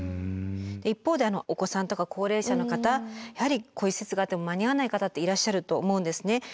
一方でお子さんとか高齢者の方やはりこういう施設があっても間に合わない方っていらっしゃると思うんですね。